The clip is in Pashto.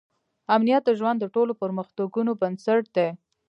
امنیت د ژوند د ټولو پرمختګونو بنسټ دی.